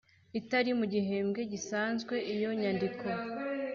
Itari mu gihembwe gisanzwe iyo nyandiko